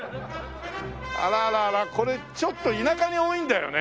あらあらあらこれちょっと田舎に多いんだよね。